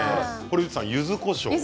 堀内さんゆずこしょう。